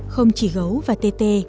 không chỉ gấu và tê tê